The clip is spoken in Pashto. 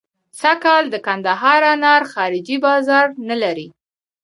سږکال د کندهار انار خارجي بازار نه لري.